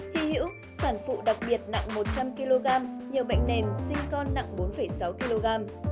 hy hữu sản phụ đặc biệt nặng một trăm linh kg nhiều bệnh nền sinh con nặng bốn sáu kg